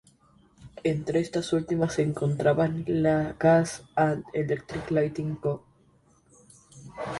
Entre estas últimas se encontraban la Gas and Electric Lighting Co.